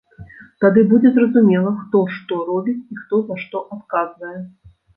Тады будзе зразумела, хто што робіць і хто за што адказвае.